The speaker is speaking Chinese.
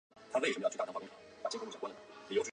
他曾经排名世界第一位。